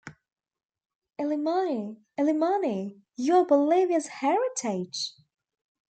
Illimani, Illimani, you are Bolivia's heritage!